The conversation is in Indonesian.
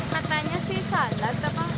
katanya sih salad